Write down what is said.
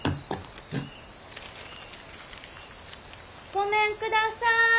ごめんください！